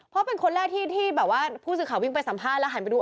เพราะเป็นคนแรกที่แบบว่าผู้สื่อข่าววิ่งไปสัมภาษณ์แล้วหันไปดู